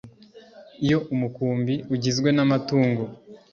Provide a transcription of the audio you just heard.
Iyo umukumbi ugizwe n'amatungo